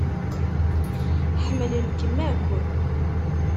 Ḥemmlen-kem akk.